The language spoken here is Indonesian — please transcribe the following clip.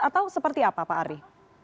atau seperti apa pak ari